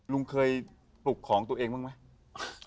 ลุงเคยปลุกของตัวเองบ้างไหม